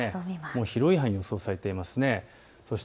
広い範囲で予想されています。